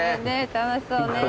楽しそうね。